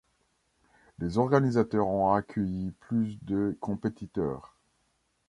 Les organisateurs ont accueilli plus de compétiteurs.